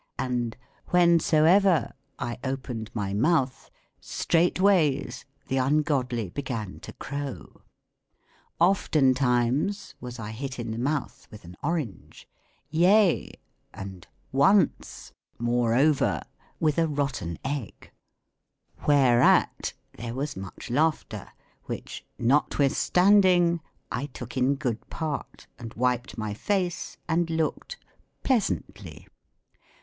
And ifhensoever I opened my mouth, straightimys the ungodly began to crow. Oftentimes was I hit in the mouth with an orange : yea, and once, moreover, with a rotten egg : ETYMOLOGY. W v.^tv^eaf. there was much laughter, which, notwithstand ing, I took in good part, and wiped my face and looked pleasantly.